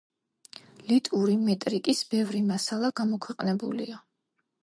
ლიტვური მეტრიკის ბევრი მასალა გამოქვეყნებულია.